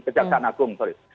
ke jaksa anagung sorry